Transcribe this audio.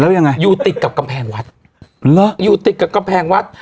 แล้วยังไงอยู่ติดกับกำแพงวัดเหรออยู่ติดกับกำแพงวัด